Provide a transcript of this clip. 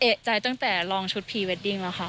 เอกใจตั้งแต่ลองชุดพรีเวดดิ้งแล้วค่ะ